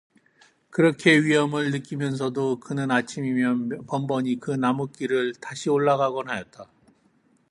그렇게 위험을 느끼면서도 그는 아침이면 번번이 그 나뭇길을 다시 올라가곤 하였다.